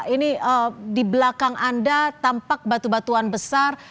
ini di belakang anda tampak batu batuan besar